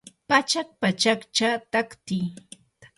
pachak pachakcha tatki